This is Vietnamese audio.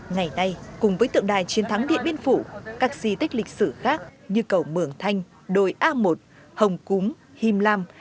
ngày nay cùng với tượng đài chiến thắng điện biên phủ các di tích lịch sử khác như cầu mường thanh đồi a một hồng cúm him lam